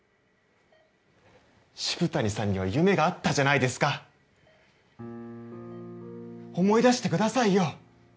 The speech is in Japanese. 渋谷さんには夢があったじゃないですか思い出してくださいよ